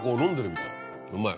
うまい！